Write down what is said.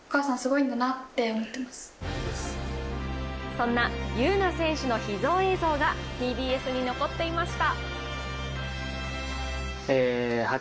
そんな優苗選手の秘蔵映像が、ＴＢＳに残っていました。